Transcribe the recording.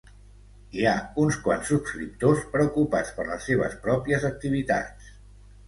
Hi ha uns quants subscriptors preocupats per les seves pròpies activitats.